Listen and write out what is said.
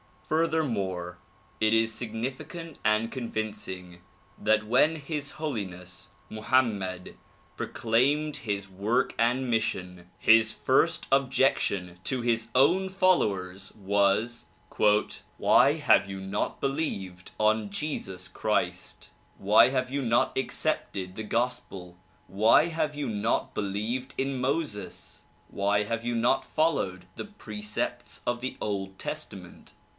Furthermore, it is significant and convincing that when His Holiness Mohammed proclaimed his work and mission, his first objection to his own followers was '' Why have you not believed on Jesus Christ ? Why have you not accepted the gospel? Why have you not believed in Moses? Why have you not followed the precepts of the old testament?